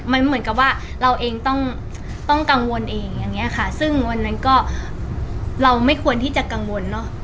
มันเหมือนกับว่าเราเองต้องต้องกังวลเองอย่างเงี้ยค่ะซึ่งวันนั้นก็เราไม่ควรที่จะกังวลเนอะ